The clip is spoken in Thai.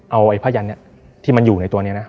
เอาไอ้ผ้ายันนี้ที่มันอยู่ในตัวนี้นะ